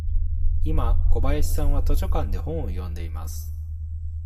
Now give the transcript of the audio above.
今、小林さんは図書館で本を読んでいます。